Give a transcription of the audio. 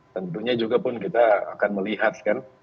tentunya juga pun kita akan melihat kan